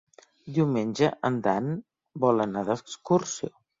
Diumenge en Dan vol anar d'excursió.